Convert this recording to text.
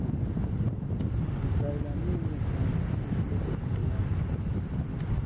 جبرائیل امینے سامٹَھیں نبی علیہ السلام